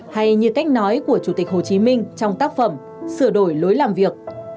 hay như cách nói của chủ tịch hồ chí minh trong tác phẩm sửa đổi lối làm việc